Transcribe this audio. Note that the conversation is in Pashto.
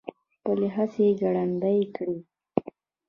خپلې هڅې ګړندۍ کړي.